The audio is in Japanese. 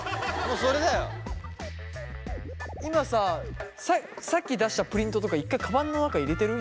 今ささっき出したプリントとか一回カバンの中入れてる？